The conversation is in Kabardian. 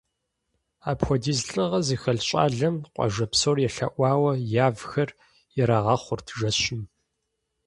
Апхуэдиз лӏыгъэ зыхэлъ щӏалэм къуажэ псор елъэӏуауэ явхэр ирагъэгъэхъурт жэщым.